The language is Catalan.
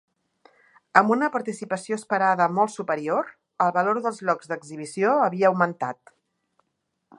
Amb una participació esperada molt superior, el valor dels llocs d'exhibició havia augmentat.